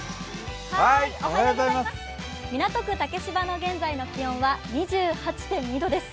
港区竹芝の現在の気温は２８．２度です。